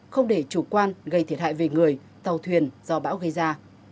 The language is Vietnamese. không để chủ quan gây thiệt hại về người tàu thuyền do bão gây ra